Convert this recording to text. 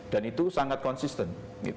dan itu sangat konsisten